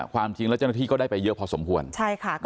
ความจริงแล้วเจ้าหน้าที่ก็ได้ไปเยอะพอสมควรใช่ค่ะ